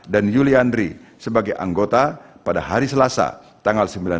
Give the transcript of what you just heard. dan yuli andri sebagai anggota pada hari selasa tanggal sembilan belas bulan maret tahun dua ribu dua puluh empat